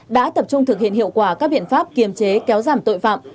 đã tập trung thực hiện hiệu quả các biện pháp kiềm chế kéo giảm tội phạm